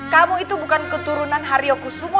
kamu itu bukan keturunan haryo kusumo